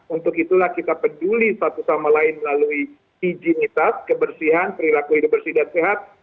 untuk itulah kita peduli satu sama lain melalui higienitas kebersihan perilaku hidup bersih dan sehat